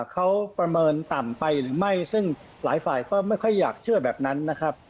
เขาประเมินต่ำไปหรือไม่ซึ่งหลายฝ่ายก็ไม่ค่อยอยากเชื่อแบบนั้นนะครับ